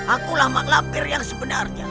akulah malampir yang sebenarnya